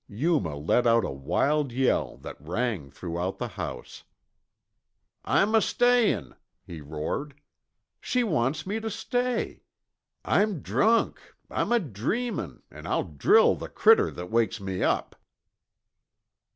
Yuma let out a wild yell that rang throughout the house. "I'm astayin'," he roared. "She wants me tuh stay. I'm drunk I'm adreamin', an' I'll drill the critter that wakes me up."